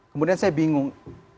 kemudian saya bingung